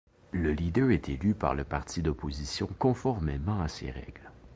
Le leader est élu par le parti d'opposition conformément à ses règles.